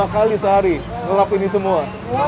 lima kali sehari gelap ini semua